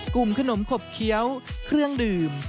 กลุ่มขนมขบเคี้ยวเครื่องดื่ม